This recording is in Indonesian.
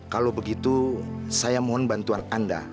kalau begitu saya mohon bantuan anda